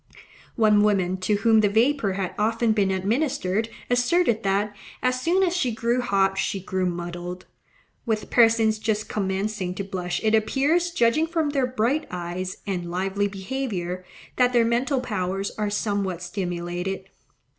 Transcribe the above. One woman to whom the vapour had often been administered asserted that, as soon as she grew hot, she grew MUDDLED. With persons just commencing to blush it appears, judging from their bright eyes and lively behaviour, that their mental powers are somewhat stimulated.